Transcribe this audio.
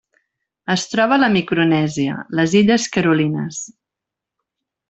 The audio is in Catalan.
Es troba a la Micronèsia: les illes Carolines.